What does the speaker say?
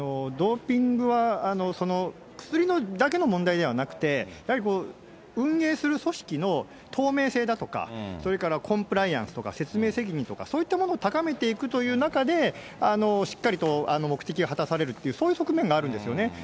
ドーピングは薬だけの問題ではなくて、やはり運営する組織の透明性だとか、それからコンプライアンスとか、説明責任とか、そういったものを高めていくという中で、しっかりと目的を果たされるっていう、そういう側面があるんですよね。